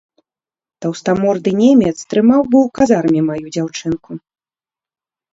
Таўстаморды немец трымаў бы ў казарме маю дзяўчынку.